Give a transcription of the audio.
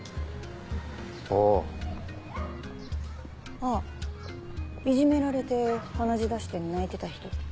あっいじめられて鼻血出して泣いてた人。